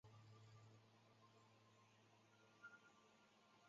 父亲为前建设事务次官及鸟取县知事石破二朗。